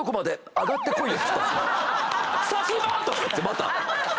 また。